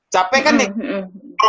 capek kan nih